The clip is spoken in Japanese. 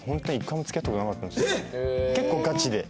結構ガチで。